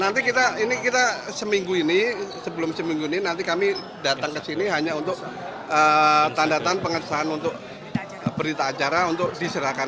nanti kita ini kita seminggu ini sebelum seminggu ini nanti kami datang ke sini hanya untuk tandatan pengesahan untuk berita acara untuk diserahkan